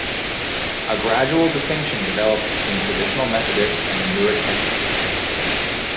A gradual distinction developed between traditional Methodists and the newer Keswick speakers.